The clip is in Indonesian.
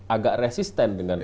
agak resisten dengan